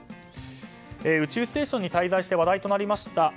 宇宙ステーションに滞在して話題となりました